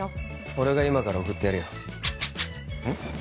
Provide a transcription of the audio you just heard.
俺が今から送ってやるようん？